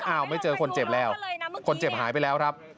ไม่เจอคนเจ็บแล้วคนเจ็บหายไปแล้วครับ